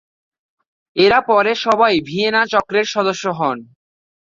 এরা পরে সবাই ভিয়েনা চক্রের সদস্য হন।